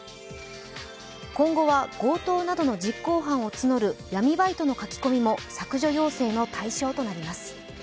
今後は、強盗などの実行犯を募る闇バイトの書き込みも削除要請の対象となります。